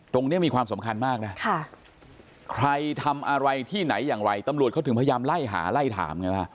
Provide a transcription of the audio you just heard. มีความสำคัญมากนะใครทำอะไรที่ไหนอย่างไรตำรวจเขาถึงพยายามไล่หาไล่ถามไงว่า